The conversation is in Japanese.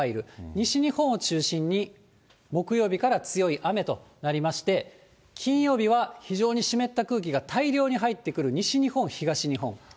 西日本を中心に木曜日から強い雨となりまして、金曜日は非常に湿った空気が大量に入ってくる西日本、東日本。